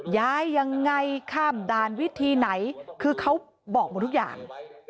ย้ายยังไงข้ามด่านวิธีไหนคือเขาบอกหมดทุกอย่าง